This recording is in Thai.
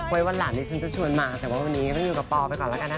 วันหลังนี้ฉันจะชวนมาแต่ว่าวันนี้ต้องอยู่กับปอไปก่อนแล้วกันนะคะ